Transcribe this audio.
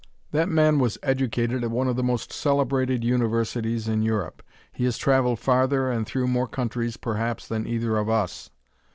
That man was educated at one of the most celebrated universities in Europe. He has travelled farther and through more countries, perhaps, than either of us."